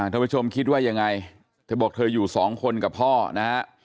ท่านผู้ชมคิดว่ายังไงเธอบอกเธออยู่สองคนกับพ่อนะฮะ